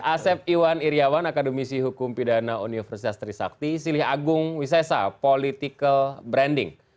asep iwan iryawan akademisi hukum pidana universitas trisakti silih agung wisesa political branding